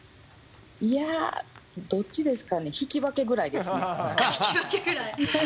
いや、どっちですかね、引き分けぐらい？